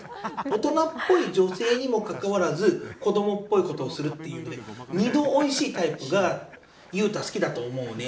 大人っぽい女性にもかかわらず子供っぽいことをするという二度おいしいタイプが裕太は好きだと思うね。